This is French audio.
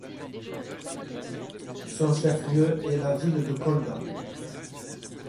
Son chef-lieu est la ville de Kolda.